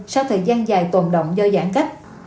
sau thời gian dài tồn động do giãn cách